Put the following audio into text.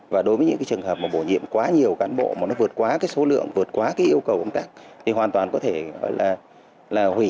và đối với những trường hợp bổ nhiệm quá nhiều cán bộ mà nó vượt quá số lượng vượt quá yêu cầu thì hoàn toàn có thể hủy